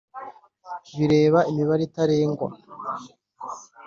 bireba imibare itarengwa